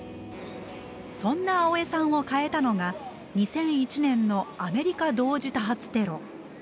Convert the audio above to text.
そんな青江さんを変えたのが２００１年のアメリカ同時多発テロ。